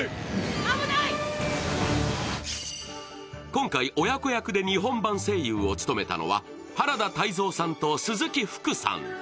今回、親子役で日本版声優を務めたのは原田泰造さんと鈴木福さん。